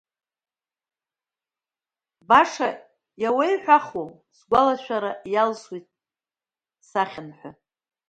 Баша иауиҳәахуа Сгәалашәара иалсуеит сахьан ҳәа.